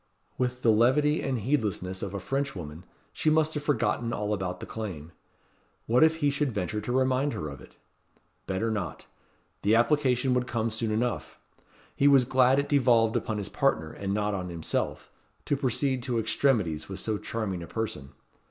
With the levity and heedlessness of a Frenchwoman, she must have forgotten all about the claim. What if he should venture to remind her of it? Better not. The application would come soon enough. He was glad it devolved upon his partner, and not on himself, to proceed to extremities with so charming a person.